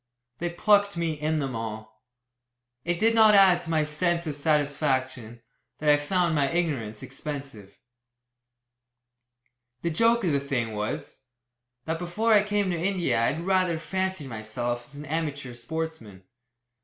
They "plucked" me in them all. It did not add to my sense of satisfaction, that I found my ignorance expensive. The joke of the thing was, that before I came to India I had rather fancied myself as an amateur sportsman.